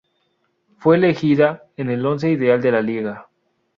Fue elegida en el once ideal de la Liga.